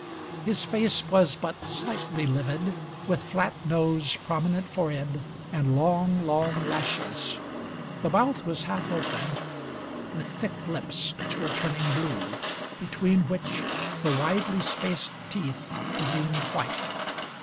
His face was but slightly livid, with flat nose, prominent forehead, and long, long lashes; the mouth was half open, with thick lips which were turning blue, between which the widely spaced teeth gleamed white.